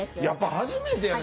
やっぱ初めて。